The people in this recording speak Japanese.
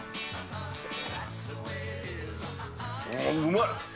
うまい！